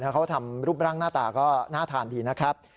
เขาทำรูปร่างหน้าตาก็น่าทานดีนะครับ